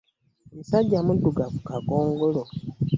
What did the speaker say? Omusajja mudugavu kagongolo.